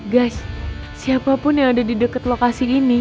guys siapapun yang ada di deket lokasi ini